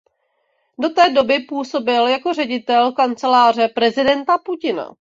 Do té doby působil jako ředitel kanceláře prezidenta Putina.